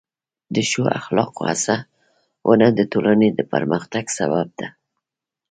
د ښو اخلاقو هڅونه د ټولنې د پرمختګ سبب ده.